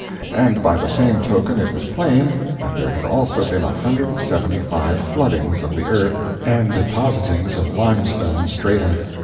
And by the same token it was plain that there had also been a hundred and seventy five floodings of the earth and depositings of limestone strata!